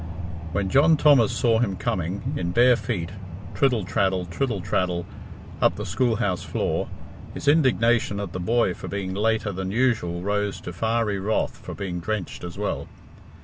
When John Thomas saw him coming, in bare feet, triddle traddle, triddle traddle, up the school house floor, his indignation at the boy for being later than usual rose to fiery wrath for being drenched as well.